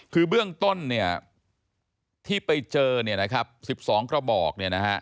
คือเบื้องต้นที่ไปเจอ๑๒กระบอก